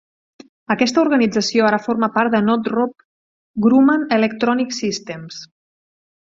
Aquesta organització ara forma part de Northrop Grumman Electronic Systems.